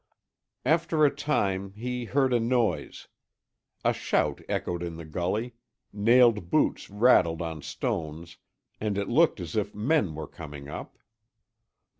After a time, he heard a noise. A shout echoed in the gully, nailed boots rattled on stones and it looked as if men were coming up.